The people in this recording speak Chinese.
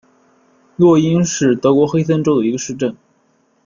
洛因是德国黑森州的一个市镇。